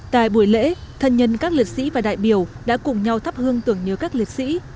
tại buổi lễ thân nhân các liệt sĩ và đại biểu đã cùng nhau thắp hương tưởng nhớ các liệt sĩ